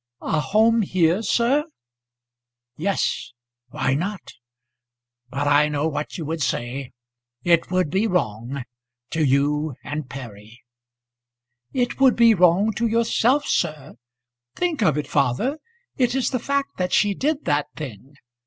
"A home here, sir?" "Yes; why not? But I know what you would say. It would be wrong, to you and Perry." "It would be wrong to yourself, sir. Think of it, father. It is the fact that she did that thing.